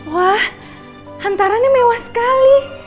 wah hantarannya mewah sekali